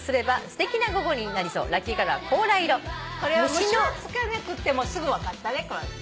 「ムシ」が付かなくてもすぐ分かったね。